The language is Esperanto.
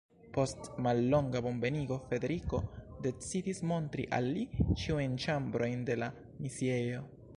Post mallonga bonvenigo Frederiko decidis montri al li ĉiujn ĉambrojn de la misiejo.